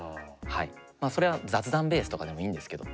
まあそれは雑談ベースとかでもいいんですけど。